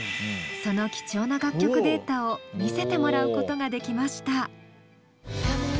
その貴重な楽曲データを見せてもらうことができました。